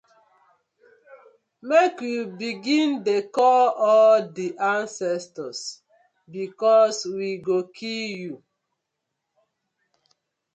Mek yu begin de call all de ancestors because we go kill yu.